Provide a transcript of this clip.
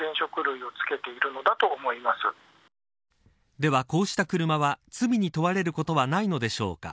ではこうした車は罪に問われることはないのでしょうか。